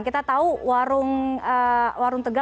kita tahu warung tegal